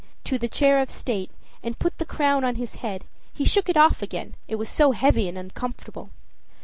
to the chair of state, and put the crown on his head, he shook it off again, it was so heavy and uncomfortable.